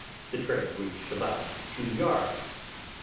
The train reached about two yards.